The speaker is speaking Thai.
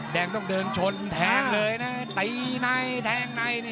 แดงต้องเดินชนแทงเลยนะแต๊งไหนนิ่งะ